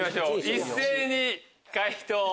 一斉に解答。